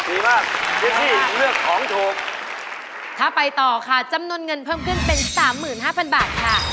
เจสซี่เลือกของโทษถ้าไปต่อค่ะจำนวนเงินเพิ่มขึ้นเป็น๓๕๐๐๐บาทค่ะ